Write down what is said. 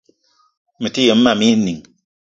Mete yem mam éè inìng